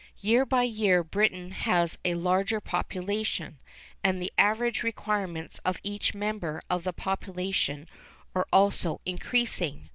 Year by year Britain has a larger population, and the average requirements of each member of the population are also increasing.